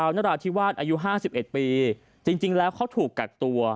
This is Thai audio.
นราธิวาสอายุ๕๑ปีจริงแล้วเขาถูกกักตัว